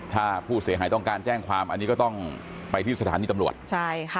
ถ้าผู้เสียหายต้องการแจ้งความอันนี้ก็ต้องไปที่สถานีตำรวจใช่ค่ะ